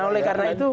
nah oleh karena itu